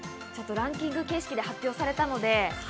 ランキング形式で発表されたので。